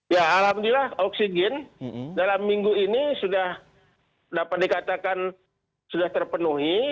ya alhamdulillah oksigen dalam minggu ini sudah dapat dikatakan sudah terpenuhi